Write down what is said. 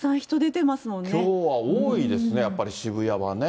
きょうは多いですね、やっぱり渋谷はね。